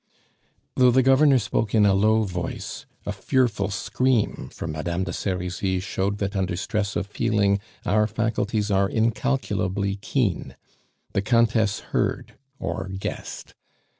Though the Governor spoke in a low voice, a fearful scream from Madame de Serizy showed that under stress of feeling our faculties are incalculably keen. The Countess heard, or guessed.